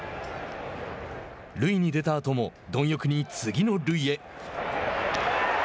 塁に出たあとも貪欲に次の塁へ。